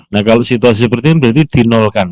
nah kalau situasi seperti ini berarti di nol kan